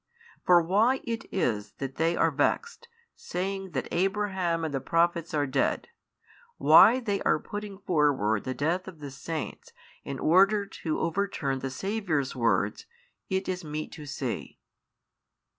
For why it is that they are vexed, saying that Abraham and the Prophets are dead, why they are putting forward the death of the Saints in order to overturn the Saviour's words, it is meet to see.